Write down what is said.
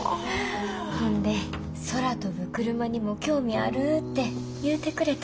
ほんで空飛ぶクルマにも興味あるって言うてくれた。